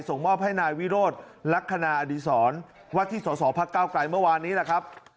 ส่งมอบให้นายวิโรธลักษณาอดีศรวัฒนศรภาคเก้าไกลเมื่อวานนี้แหละครับ